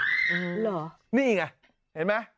เหรอนี่ไงเห็นไหม